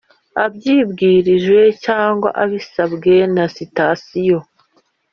Abyibwirije cyangwa abisabwe na sitasiyo